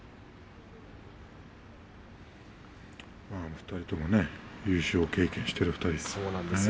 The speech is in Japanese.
２人とも優勝を経験していますね。